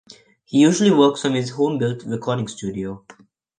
He usually works from his home-built recording studio.